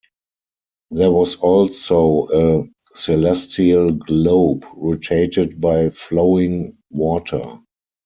There was also a celestial globe rotated by flowing water.